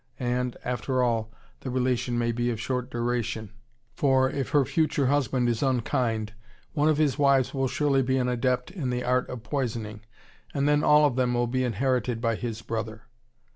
And, after all, the relation may be of short duration, for, if her future husband is unkind, one of his wives will surely be an adept in the art of poisoning, and then all of them will be inherited by his brother.